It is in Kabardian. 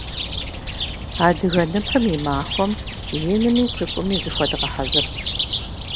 Адыгэ ныпым и махуэм инми цӏыкӏуми зыхуэдгъэхьэзырт.